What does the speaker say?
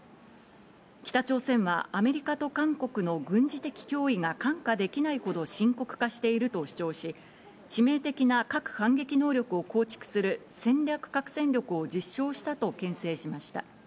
北朝鮮は、アメリカと韓国の軍事的脅威が看過できないほど深刻化していると主張し、致命的な核反撃能力を構築する戦略核戦力を実証したとけん制しました。